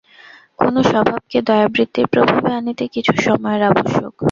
কোন স্বভাবকে দয়াবৃত্তির প্রভাবে আনিতে কিছু সময়ের আবশ্যক।